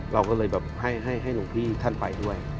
เราก็เลยแบบให้หลวงพี่ท่านไปด้วย